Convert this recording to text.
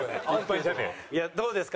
どうですか？